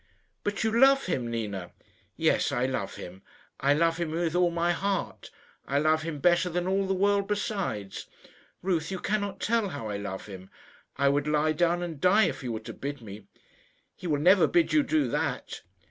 "But you love him, Nina?" "Yes, I love him. I love him with all my heart. I love him better than all the world besides. Ruth, you cannot tell how I love him. I would lie down and die if he were to bid me." "He will never bid you do that."